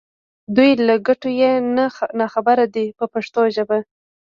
دوی له ګټو یې نا خبره دي په پښتو ژبه.